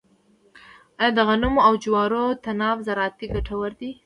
آیا د غنمو او جوارو تناوب زراعتي ګټور دی؟